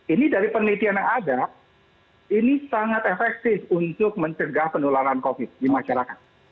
ini dari penelitian yang ada ini sangat efektif untuk mencegah penularan covid di masyarakat